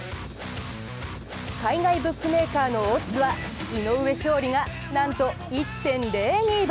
海外ブックメーカーのオッズは井上勝利がなんと１．０２倍。